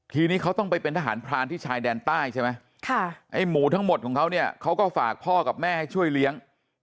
ทีนี้เขาต้องไปเป็นทหารพรานที่ชายแดนใต้ใช่ไหมไอ้หมูทั้งหมดของเขาเนี่ยเขาก็ฝากพ่อกับแม่ให้ช่วยเลี้ยง